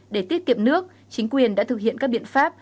để tiết kiệm nước chính quyền đã thực hiện các biện pháp